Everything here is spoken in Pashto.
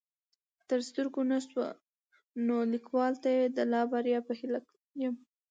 تر سترګو نه شوه نو ليکوال ته يې د لا بريا په هيله يم